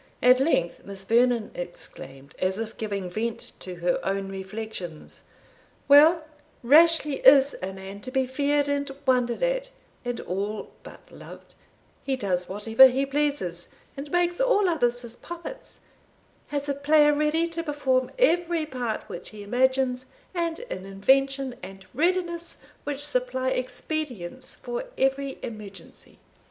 At length Miss Vernon exclaimed, as if giving vent to her own reflections, "Well, Rashleigh is a man to be feared and wondered at, and all but loved; he does whatever he pleases, and makes all others his puppets has a player ready to perform every part which he imagines, and an invention and readiness which supply expedients for every emergency."